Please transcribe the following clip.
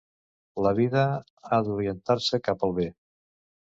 La vida ha d'orientar-se cap al bé.